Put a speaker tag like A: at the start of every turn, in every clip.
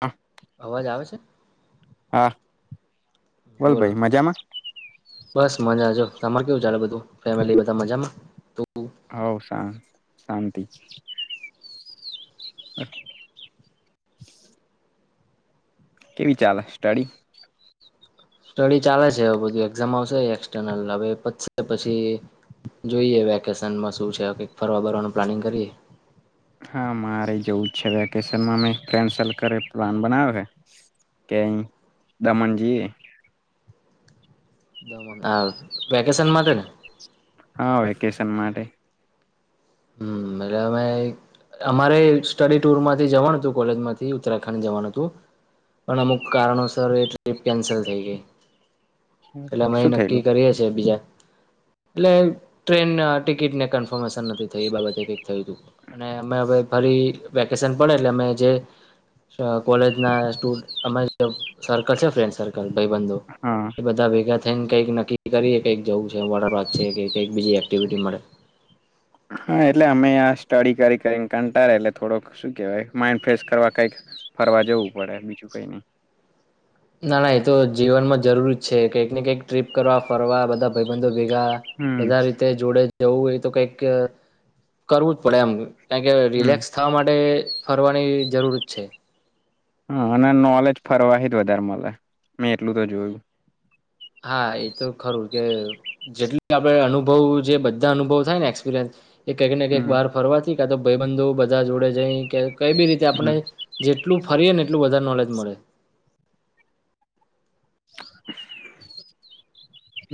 A: હા.
B: અવાજ આવે છે?
A: હા. બોલ
B: બોલો,
A: ભાઈ મજામાં?
B: બસ મજાજો. તમાર કેવું ચાલે બધું ફેમિલી બધા મજામાં?
A: હવ શા શાંતિ. કેવી ચાલે સ્ટડી?
B: સ્ટડી ચાલે છે બધું એક્ઝામ આવશે એક્સટર્નલ હવે પછી, જોઈએ વેકેશનમાં શું છે કંઈક ફરવા ફરવાનું પ્લાનિંગ કરીએ.
A: હા મારે જોવું છે વેકેશનમાં મે કેન્સલ કર પ્લાન બનાવે છે, કે અહીં દમણ જોઈએ.
B: હા વેકેશન માટે ને?
A: હા વેકેશન માટે.
B: હમ એટલે અમે અમારે સ્ટડીટુરમાંથી જવાનું હતું કોલેજમાંથી ઉત્તરાખંડ જવાનું હતું, પણ અમુક કારણોસર એ ટ્રીપ કેન્સલ થઈ ગઈ. એટલે અમે એ
A: શું
B: નક્કી
A: થયેલું?
B: કરીએ છીએ બીજા. એટલે ટ્રેન ટિકિટને કન્ફર્મેશન નથી. તો એ બાબતે કંઈક થયું હતું અને અમે હવે ફરી વેકેશન પડે એટલે અમે જે, કોલેજના સ્ટુડન્ટ્સ અમે જે સર્કલ છે ફ્રેન્ડ સર્કલ. ભાઈ બંધો
A: હા
B: બધા ભેગા થ કઈક નક્કી કરી કઈક જવું છે વારાગ છે કઈક બીજી એક્ટિવિટી મળે.
A: હા એટલે અમે આ સ્ટડી કરી કરીને કંટાે એટલે થોડોક શું કેવાય માઈડ ફ્રેશ કરવા કઈક ફરવા જવું પડે બીજું કઈ નઈ.
B: ના ના એ તો જીવનમાં જરૂર છે કંઈક ને કંઈક ટ્રીપ કરવા ફરવા બધા ભાઈબંધો ભેગા,
A: હમ
B: બધા રીતે જોડે જવું હોય તો કઈક, કરવું જ પડે એમ. કારણ કે
A: હમ
B: રિલેક્સ થવા માટે ફરવાની જરૂરત છે.
A: હા અને નોલેજ ફરવાથી જ વધારે મળે, મે એટલું તો જોયું.
B: હા એતો ખરું કે, જેટલી આપડ અનુભવ જે બધા અનુભવ થાય ને એક્સપિરિયન્સ. એ કંઈકને કંઈક
A: હમ
B: બાર ફરવા ક તો ભાઈ બંધુ બધા જોડે જાય કે કઈ બી રીતે આપણે,
A: હમ
B: જેટલું ફરીએ ને. એટલું બધારે નોલેજ મળે.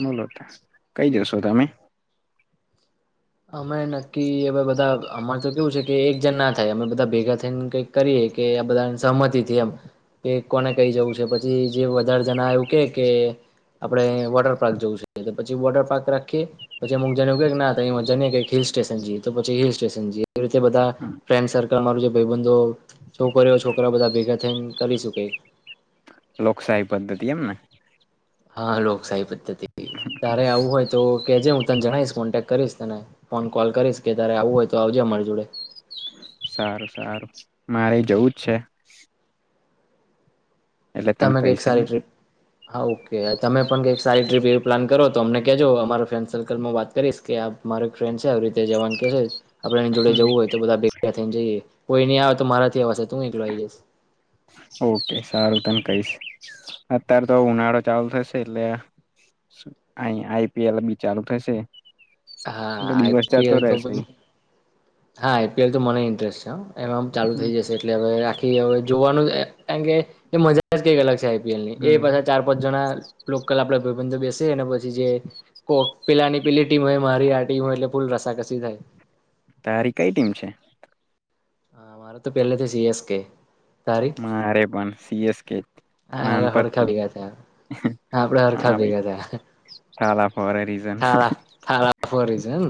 A: બોલો કઈ જશો તમે?
B: અમે નક્કી હવે બધા અમારે તો કેવું છે કે એક જણ ના થાય અમે બધા ભેગા થઈને કઈક કરીએ કે આ બધા સહમતીથી એમ, કે કોને કઈ જવું છે પછી જે વધારે જણા એવું કે, કે આપડે વોટર પાર્ક જવું છે પછી વોટર પાર્ક રાખીએ, પછી અમુક જને એ ના જ હિલ સ્ટેશન જીએ તોછી હિલ સ્ટેશન જીએ. એવી રીતે બધા, ફન્ તમારું જે ભાઈબંધો છોકરીઓ છોકરા બધા ભેગા થઈને કરીશું કઇક.
A: લોકશાહી પદ્ધતિ એમને.
B: હા લોકશાહી પદ્ધ તારે આવું હોય તો કેજે હું તને જણાવશ કોન્ટેક કરીશ તને ફોન કોલ કરીશ કે તારે આવું હોય તો આવજે અમારી જોડે.
A: સારું સારું, મારે જવું જ છે. એટલે તને
B: તમે
A: કૈ
B: કંઈક
A: છે
B: સારી
A: ને.
B: ટ્રીપ હા ઓકે તમે પણ કંઈક સારી ટ્રીપ એવી પ્લાન કરો તો અમને કેજો અમારા ફ્રેન્ડ સર્કલમાં વાત કરીશ કે મારે એક ફ્રેન્ડ છે આવી રીતે જવાન કે છે. આપણે એની જોડે જવું હોય તો બધા ભેગા થઈને જઈએ. કોઈ નહી આવે તો મારાથી અવા
A: ઓકે સારું તને કઈશ અત્યારે તો ઉનાળો ચાલુ થશે એટલે આહી આઈપીએલ બી ચાલુ થશે.
B: હા
A: એટલે દિવસ જતો
B: આઈપીએલ તો
A: રહેશે
B: પણ હા આઈપીએલ તો મને ઇન્ટરેસ્ટ છે. એમાંમ ચાલુ થઈ જશે એટલે હવે આ હવે જોવાનું કારણ કે એ મજા જ કઈક અલગ છે ની એ
A: હમ
B: પાછા ચાર પાંચ જણા લોકલ આપડા ભાઈબંધ બેસે પછી જે કો પેલાની પેલી ટીમ હોય મારી આ ટીમ હોય એટલે ફૂલ રસાકસી થાય.
A: તારી કઈ ટીમ છે.
B: હ મારે તો પહેલા તો સીએસ કે તારી
A: મારે પણ સી એસ કે
B: હા હરખા
A: નાનપણથી
B: ભેગા થયા
A: હ
B: આપડે હરખા
A: હા ભાઈ,
B: ભેગા થયા
A: ઠાલા ફોર અ રીઝન
B: થાળા થાળા ફોર રીઝન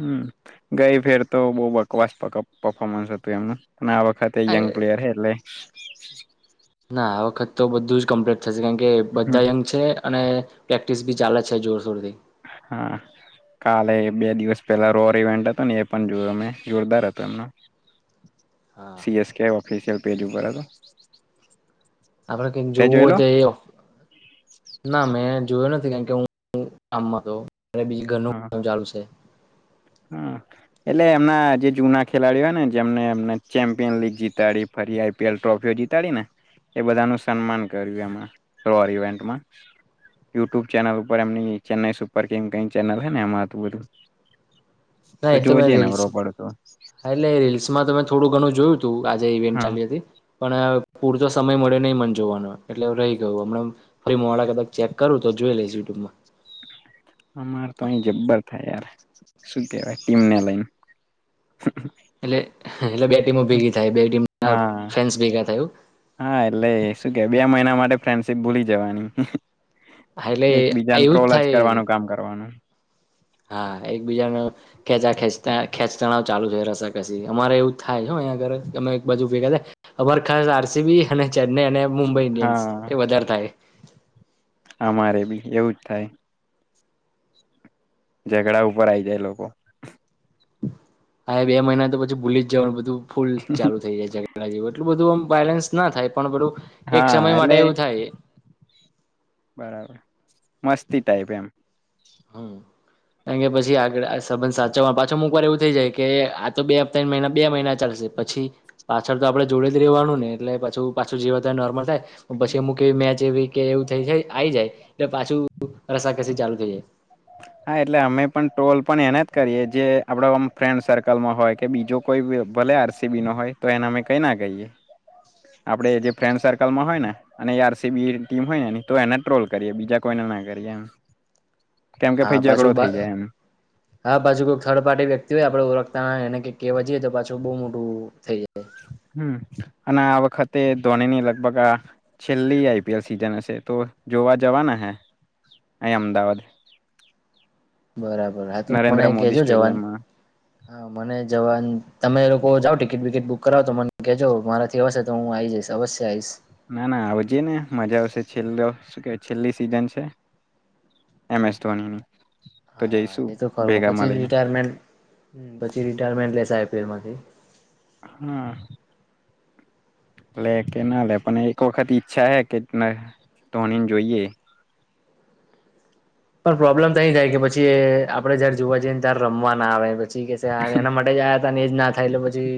A: હમ. ગઈ ફેર તો બહુ બકવાસ પફોર્મન્સ હતું એમનું આ વખત યંગ પ્લેયર હે એટલે
B: ના આ વખત તો બધું જ કમ્પલેટ. અચ્છા કારણ કે
A: હ
B: બધા યંગ છે. અને પ્રેક્ટિસ બી ચાલે છે, જોરશોરથી.
A: હા કાલે બે દિવસ પહેલા રોર ઇવેન્ટ હતો ને એ પણ જોયયો અમે જોરદાર હતો એમનો
B: હા
A: સી એસ કે, ઓફિસ એમ પેરયુ બરાબર
B: આપણે કંઈક જોવું તો ના મેં જોય ન કારણ કે હું કામમાં તો અને બીજું ઘરનું કામ ચાલુ છે.
A: હ એટલે એમના જે જુના ખેલાડીઓ હોય ને જેમનેમ ચેમ્પિયન લીગ જીતાડી ફરી આઈપીએલ ટ્રોફીઓ જીતાડી ને એ બધા ન સન્માન કર્યું. એમાં રોર ઇવેન્ટમાં યુટ્યુબ ચેનલ ઉપર એમની ચેન્નાઈ સુપર કિંગ કઈ ચેનલ ને એમાં બધું તો
B: ના તમે
A: જોજે
B: રીલ્સ
A: નવરો પડતો
B: એટલે રીલ્સમાં તમે થોડું ઘણું જોયું. તો આજે ઇવેન્ટ
A: હા
B: ચાલી હતી. પણ પૂરતો સમય મળે નહીં મન જોવાનો એટલે રહી ગયું હમણાં ફરી મોડા કદાચ. ચેક કરું તો જોઈ લઈશ યુટ્યુબમાં.
A: અમાર તો અહી જબ્બર થાય યાર. શું કેવાય ટીમને લઈને?
B: એટલે એટલે બે ટીમો ભેગી થાય બે ટીમ ના
A: હા
B: ફેન્સ ભેગા થાયું.
A: ફ્રેન્ડશિપ ભૂલી જવાની.
B: એટલે એવું જ થાય.
A: પણ
B: હા એ બીજા કેચા ખેંચતા. ખેંચ તણાવ ચાલુ છે રસાકસી અમારે એવું થાય છે અંયા ઘ અમે એક બાજુ ભેગા થાય, અમા ખાસ આર સી બી અને ચેન્નાઈ અને મુંબઈ ઈન્ડિયન્સ, એ
A: હા
B: વધારે થાય.
A: અમારે બી એવું જ થાય. ઝઘડા ઉપર આઈ જાય લોકો.
B: હા બે મહિના તો પછી ભૂલી જ જવાનું બધું. ફૂલ ચાલુ થઈ જાય જેવ એટલું બધું વાયોલેન્સ ના થાય પણ બધું, એક
A: હા
B: સમય માટે
A: એટલે
B: એવું થાય.
A: બરાબર, મસ્તી ટાઈપ એમ.
B: હમ, કારણ કે પછી આગળ સંબંધ સાચવવાનો પાછો અમુક વાર એવું થઈ જાય કે આ તો બે હપ્તા મહિના બે મહિના ચાલશે પછી, પાછળ તો આપડણે જોડે જ રવાનું ને એટલે પાછું પાછું જીવા તો નોર્મલ થાય. પછી એમુક એવી મેચ એવી કે એવું થઈ જાય આવી જાય, એટલે પાછું રસાકસી ચાલુ થઈ જાય.
A: હા એટલે અમે પણ ટ્રોલ પણ એને જ કરીએ જે આપડમ ફ્રેન્ડ સર્કલમાં હોય કે બીજો કોઈ ભલે આર સી બી નો હોય તો એને અમે કઈ ના કહીએ, આપણે જે ફ્રેન્ડ સર્કલમાં હોય ને અને એ આર સીબી ની ટીમ હોય ને તો એને ટ્રોલ કરીએ બીજા કોઈને ના કરીએ એમ. કેમ કે
B: હા
A: ભાઈ ઝઘડો
B: પાછું
A: થઈ જાય એમ
B: હા પાછું કોઈ થર્ડ પાર્ટી વ્યક્તિ હોય આપડે ઓળખતા એને કે કેવા જએ તો પાછું બઉુ મોટું થઈ જાય
A: હમ અને વખતે ધોનીની લગભગ આ, છેલ્લી આઈપીએલ સીઝન હશે તો જોવા જવાના હે, અહીં અમદાવાદ.
B: બરાબર હા તું મને
A: નરેન્દ્ર મોદી
B: કેજો જવાન
A: સ્ટેડિયમમાં
B: હા મને જવાનું. તમે એ લોકો જાાવ ટિકિટ બિકિટ બુક કરાવ તો મને કહેજો મારાથી હશે તો હું આવી જઈશ અવશ્ય આ આવીશ.
A: ના ના આવ જઈએ ને મજા આવશે છેલ્લો શું કેવાય છેલ્લી સિઝન છે, એમ એસ ધોનીની. તો
B: હા
A: જઈશું
B: એ તો ખરું હ
A: ભેગા
B: પછી
A: મળીને
B: રિટાયરમેન્ટ પછી રીટાયરમેન્ટ લે સાબ ફરમાંથી
A: હા લે કે ના લે પણ એક વખત ઈચ્છા હે કે ધોનીને જોઈએ.
B: પણ પ્રોબ્લેમ તો અહી થાય કે પછી આપડે જયારે જોવા જઈએ ને ત્યારે રમવા ના આવે. પી કે એના માટે જ આયા હતા અને એજ ના થાય એટલે પછી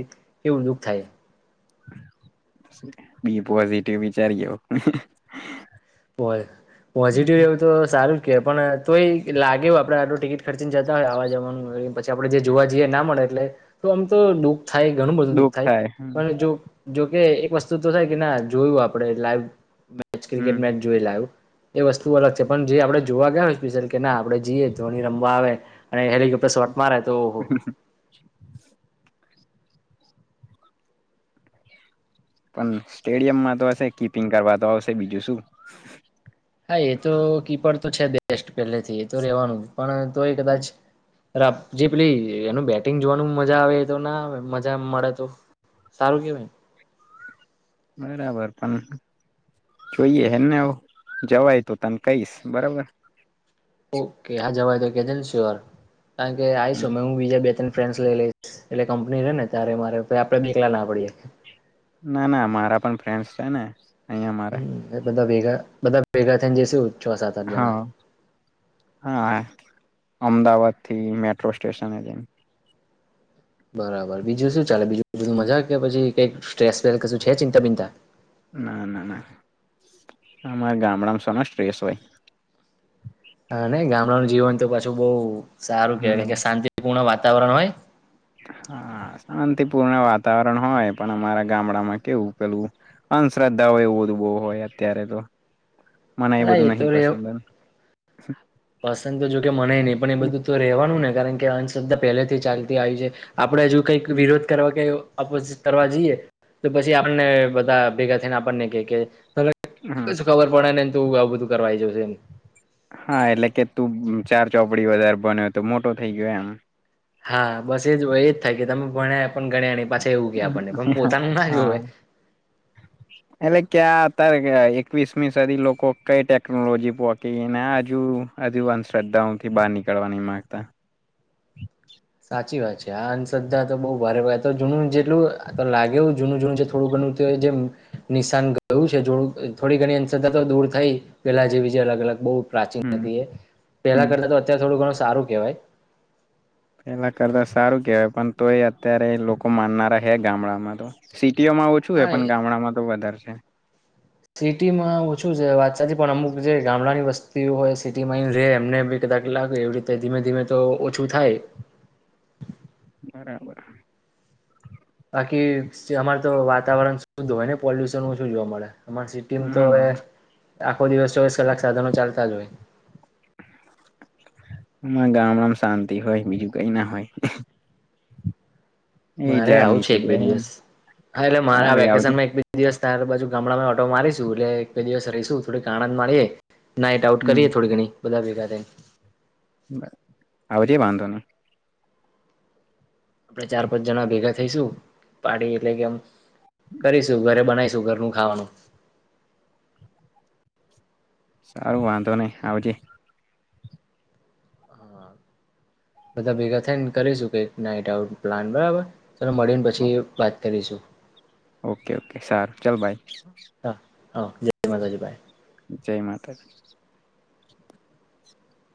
B: એ ઉલ્લુખ થાય.
A: બી પોઝિટિવ વિચારી ગયો.
B: પોઝિટિવ એવું તો સારું. પણ તો એ લાગે આપડે આટલ ટિકિટ ખેડચીન જતા હો આવા જેમ પછી આપડણે જે જોવા જઈએ ના મળે એટલે તો આમ તો દુઃ થાય ઘણું બધું દુઃખ થાય પણ જો જોકે એક વસ્તુ તો થાય કે ના જોયું આપડે લાઈવ મેચ
A: હમ.
B: ક્રિકેટ મેચ એ વસ્તુ અલગ છે પણ જે આપણે જોવા ગયા હોય સ્યલ કે ના આપણે જઈએ ધની રમવા આવે. અને હેલિકોપ્ટર સ્ટ માર તો ઓહહ.
A: પણ સ્ટેડિયમમાં તો હશે કીપિંગ કરવા તો આવશે બીજું શું.
B: હા એ તો કીપડ તો છે બેસ્ટ પેલેથી એ તો રેવાનું. પણ તોય કદાચ જે પેલી એનું બેટિંગ જોવાનું મજા આવે તો ના આવે મજા મળે તો સારું કેવાય.
A: બરાબર પણ જોઈએ એને જવાય તો તને કહીશ બરાબર.
B: ઓકે હા જવાય તો કેજસીર કારણ કે આવીશું મેમે હું બીજા બે તને લ લ એટલે કંપની રે ને ત્યારે મારે આપડે દલા ના પડીએ.
A: ના-ના મારા પણ ફ્રેન્ડસ છે ને અહિયાં મારે
B: હમ બધા ભેગા બધા ભેગા થઈને જશું.
A: હા [inaudible] હા અમદાવાદ થી મેટ્રો સ્ટેશન જ
B: બરાબર બીજું શું ચાલે બીજું બધું મજા કે પછી કે સ્ટ્રેસ છે ચિંતા બિંતા
A: ના-ના-ના અમારા ગામડામાં સનો સ્ટ્રેસ હોય.
B: હા ને ગામડાનું જીવન તો પાછું બહુ સારું કહેવાય
A: હમ
B: કે શાંતિપૂર્ણ વાત [unintelligible] હોય.
A: હા શાંતિપૂર્ણ વાતાવરણ હોય પણ અમારા ગામડામાં કેવું પેલું અંધશ્રદ્ધા હોય એવું બધું બહુ હોય અત્યારે તો. મને એ
B: હા
A: બધું
B: તો
A: નહીં
B: રે
A: પસંદ. હા.
B: પસંદ તો જો કે મળે નહી પણ એ બધું તો રહેવાનું ને. કારણ કે અંધશ્ર્ધા પહેલેથી ચાલતી આવી છે. આપણે હજુ કંઈક વિરોધ કરવા કે વુ ઓપોઝ કરવા જઈએ તો પછી આપને બધા ભેગા થઈને આપણને કઈ કે
A: હ
B: [unintelligible] ખબર પડ ને. તું આવું બધું કરવા આઈ જા
A: હા એટલે કે તું ચાર ચોપડી વધારે બન્યો તો મોટો થઇ ગયો એમ.
B: હા બસ એજ હોય એજ થાય કે તમે ભાણીયા પણ ગણ્યા નહીં.
A: હા એટલે ક્યાં [unintelligible] એકવીસમી સદી લોકો કઈ ટેકનોલોજી પોકીને હજુ હજુ અંધશ્રદ્ધાઓ થી બહાર નીકળવાની માંગતા.
B: સાચી વાત છે આ અંધ્રદ્ધા તો બહુ ભારે ભ તો જૂનું જેટલું લાગેું જૂનું જૂનું જે થોડું ઘણું જે નિશાન ગયું છેડ થોડી ઘણી અંધદ્ધા તો દૂર થઈ પેલા જેવી જે અલગ અલગ બઉ પ્રાચીન
A: હમ
B: હતી એ પેલા
A: હમ
B: કરતા તો અત્યારે થોડું ઘણું સારું કેવાય
A: પેલા કરતા સારું કેહેવાય પણ તો એ અત્યારે લોકો માનનારા હે ગામડામાં તો ટી માં ઓછું હોય
B: હા
A: પણ ગામડામાં તો વધારે છ [inaudible]
B: સિટીમાં ઓછું છે વાત સાચી પણ અમુક જે ગામડાની વસ્તીઓ હોય સિટીમાં રે એમને બી કદાચ લાગે એવી રીતે ધીમે ધીમે તો ઓછું થાય.
A: બરાબર.
B: બાકી અમાર તો વાતાવરણ શુંધ હોય ને પોલ્યુશન નું શું જોવા મળે. એમાર સિટીમ તો એ
A: હા
B: આખો દિવસ ચોવીસ કલાક સાધનો ચાલતા જ હોય.
A: હ ગામડામાં શાંતિ હોય બીજું કઈ ના હોય એ
B: મારે
A: ઝાડ
B: આવું છે
A: નીચે
B: એક બે
A: બેહી
B: દિવસા હા એટલે મારા
A: ભાઈ આવજે
B: વેકેશનમાં એક બે દિવસ ત્યાર બાજુ ગામડામાં ઓટો મારીશું એટલે એક બે દિવસ રહીશું થોડીક આણંદ મારીએ નાઈટ આઉટ
A: હમ
B: કરીએ થોડી ઘણી. બધા ભેગા થઈ
A: આવજે વાંધો ન
B: આપડે ચાર પાંચ જણા ભેગા થઈશું પાડી એટલે કે આમ કરીશું ઘરે બનાઇશ શુ ગરનું ખાવાનું
A: સારું વાંધો નહી આવજે.
B: હા બધા ભેગા થાયને કરીશું કે નાઈટ આઉટ પ્લાન બરાબર. તને મળીને પછી કરીશું.
A: ઓકે ઓકે સારું ચાલ બાય.
B: હા હા જય માતાજી બાઈ.
A: જય માતા.